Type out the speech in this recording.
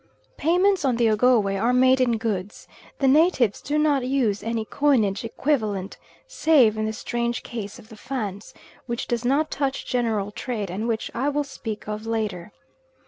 Payments on the Ogowe are made in goods; the natives do not use any coinage equivalent, save in the strange case of the Fans, which does not touch general trade and which I will speak of later.